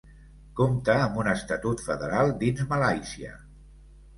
Compta amb un estatut federal dins Malàisia.